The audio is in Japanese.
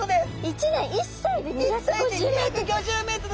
１年１歳で２５０ｍ。